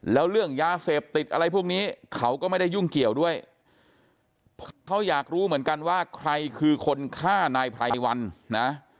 แล้วเรื่องยาเสพติดอะไรพวกนี้เขาก็ไม่ได้ยุ่งเกี่ยวด้วยเขาอยากรู้เหมือนกันว่าใครคือคนฆ่านายไพรวันนะ